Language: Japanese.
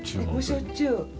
しょっちゅう。